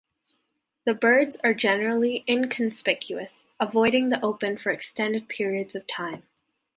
The birds are generally inconspicuous, avoiding the open for extended periods of time.